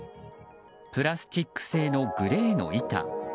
プラスチック製のグレーの板。